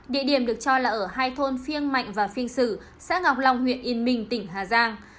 địa điểm được cho là ở hai thôn phiêng mạnh và phiên sử xã ngọc long huyện yên minh tỉnh hà giang